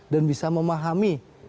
dan bisa memahami